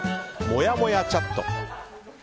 もやもやチャット。